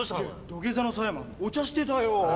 「土下座の狭山」お茶してたよ。